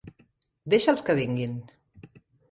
Deixa'ls que vinguin.